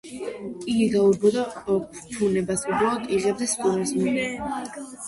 იგი გაურბოდა ფუფუნებას, უბრალოდ იღებდა სტუმრებს, უყვარდა მოგზაურობა და იყო კარგი ოჯახის მამა.